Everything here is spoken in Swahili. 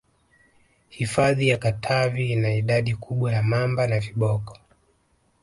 hifadhi ya katavi ina idadi kubwa ya mamba na viboko